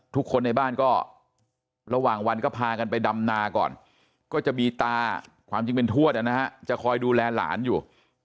ทุกคนในบ้านก็ระหว่างวันก็พากันไปดำนาก่อนก็จะมีตาความจริงเป็นทวดนะฮะจะคอยดูแลหลานอยู่